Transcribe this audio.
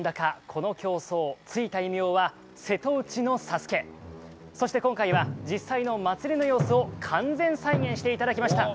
この競走ついた異名は瀬戸内の「ＳＡＳＵＫＥ」そして今回は実際の祭りの様子を完全再現していただきました。